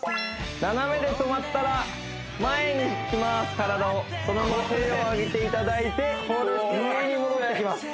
斜めで止まったら前に引きます体をそのまま手を上げていただいて上に戻っていきます